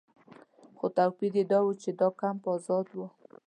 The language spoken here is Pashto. خو توپیر یې دا و چې دا کمپ آزاد و.